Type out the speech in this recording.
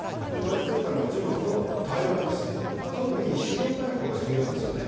ですから、中国との対話も、特に首脳外交が重要ですよね。